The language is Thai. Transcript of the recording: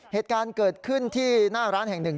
เหตุการณ์เกิดขึ้นที่หน้าร้านแห่งหนึ่ง